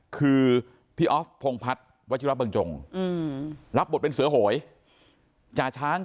คือพี่อฟพงภัทรวบต์วงจงรับบลบเป็นเสรือโหยจาช้าง